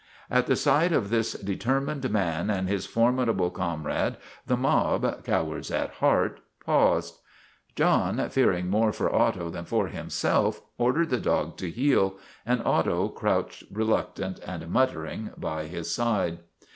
At the sight of this determined man and his formidable comrade the mob, cowards at heart, paused. John, fearing more for Otto than for him self, ordered the dog to heel, and Otto crouched re luctant and muttering by his side.